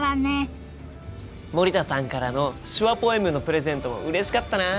森田さんからの手話ポエムのプレゼントもうれしかったな。